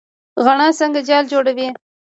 غڼه څنګه جال جوړوي؟